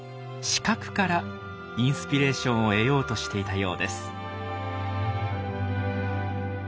視覚からインスピレーションを得ようとしていたようです。